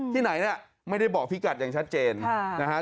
ที่ไหนเนี่ยไม่ได้บอกพี่กัดอย่างชัดเจนนะฮะ